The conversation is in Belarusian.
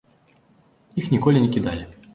Іх ніколі не кідалі.